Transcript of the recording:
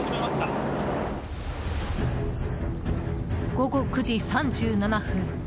午後９時３７分